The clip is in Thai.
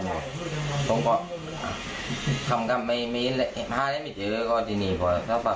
แหน่งคือทางขอมพันธุ์ทางความเชื่อของอ้างว่ากลับมาแล้ว